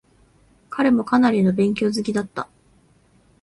彼もかなりの勉強好きだった。